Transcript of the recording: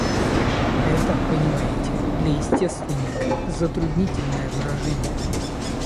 Это, понимаете, для естественника затруднительное выражение.